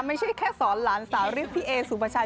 ไม่ใช่แค่สอนหลานสาริกพี่เอศุพระชัย